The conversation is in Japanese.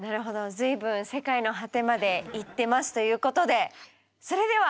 随分世界の果てまで行ってますということでそれではＱ！